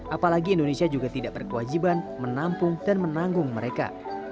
apalagi indonesia juga tidak berkewajiban menampung dan menanggung mereka